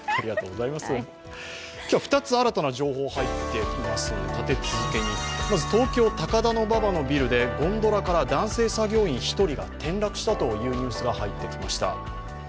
今日は２つ新たな情報が入っています、立て続けに、まずは東京・高田馬場のビルでゴンドラから男性作業員１人が転落したというニュースが入ってきました。